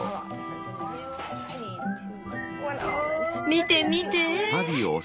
見て見て！